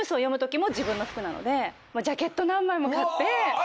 ジャケット何枚も買って。